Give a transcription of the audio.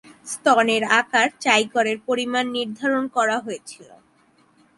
স্তনের আকার চাই করের পরিমাণ নির্ধারণ করা হয়েছিল।